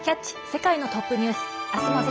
世界のトップニュース」